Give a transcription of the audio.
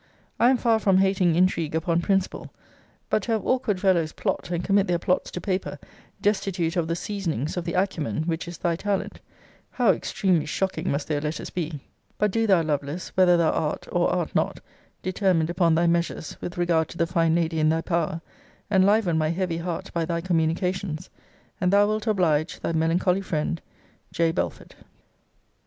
I am far from hating intrigue upon principle. But to have awkward fellows plot, and commit their plots to paper, destitute of the seasonings, of the acumen, which is thy talent, how extremely shocking must their letters be! But do thou, Lovelace, whether thou art, or art not, determined upon thy measures with regard to the fine lady in thy power, enliven my heavy heart by thy communications; and thou wilt oblige Thy melancholy friend, J. BELFORD.